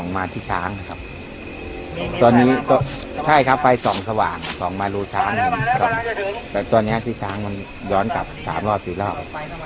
มาที่ท้างครับตอนนี้ก็ใช่ครับไฟส่องสว่างส่องมารูท้างหนึ่งครับแต่ตอนนี้ที่ท้างมันย้อนกลับสามรอบสี่รอบ